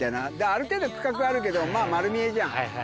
ある程度区画あるけどまぁ丸見えじゃん。